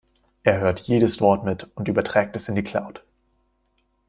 Er hört jedes Wort mit und überträgt es in die Cloud.